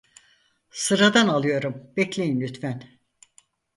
Sıradan alıyorum, bekleyin lütfen!